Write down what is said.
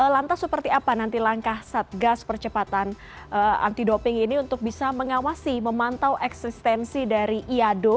lantas seperti apa nanti langkah satgas percepatan anti doping ini untuk bisa mengawasi memantau eksistensi dari iado